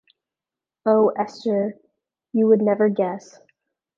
Oh, Esther, you would never guess!